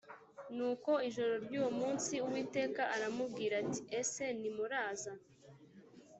nuko ijoro ry uwo munsi uwiteka aramubwira ati ese nimuraza